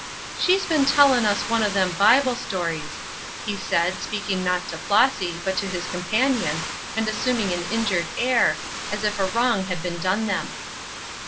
"She's been tellin' us one of them Bible stories," he said, speaking not to Flossy, but to his companion, and assuming an injured air, as if a wrong had been done them.